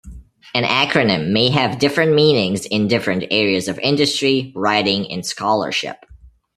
An acronym may have different meanings in different areas of industry, writing, and scholarship.